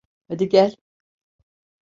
Hadi gel.